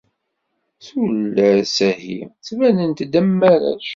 Tullas-ahi ttbanent-d am warrac.